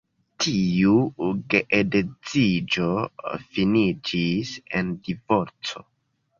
Tiu geedziĝo finiĝis en divorco.